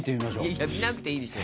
いやいや見なくていいでしょ。